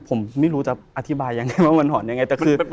ผมไม่รู้จะอธิบายยังไงว่ามันหอนยังไงแต่คือ